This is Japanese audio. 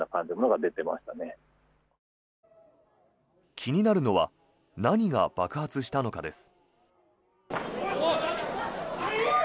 気になるのは何が爆発したのかです。